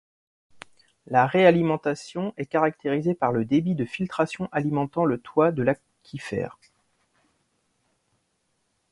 La réalimentation est caractérisée par le débit de filtration alimentant le toit de l'aquifère.